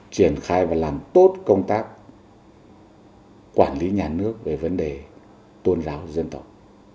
triển khai và làm tốt công tác quản lý nhà nước về vấn đề tôn giáo dân tộc